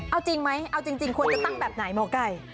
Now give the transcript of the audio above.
เอาจริงไหมเอาจริงควรจะตั้งแบบไหนหมอไก่